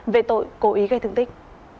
về tội cố ý gây thương tích